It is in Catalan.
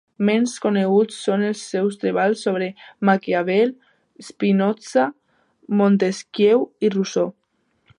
Menys coneguts són els seus treballs sobre Maquiavel, Spinoza, Montesquieu i Rousseau.